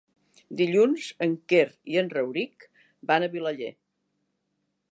Dilluns en Quer i en Rauric van a Vilaller.